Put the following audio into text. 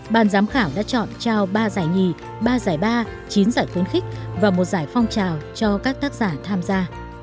ban giám khảo đã chọn trao ba giải nhì ba giải ba chín giải khuyến khích và một giải phong trào cho các tác giả tham gia